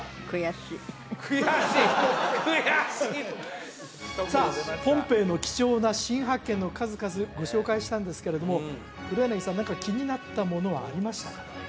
悔しいさあポンペイの貴重な新発見の数々ご紹介したんですけれども黒柳さん何か気になったものはありましたか？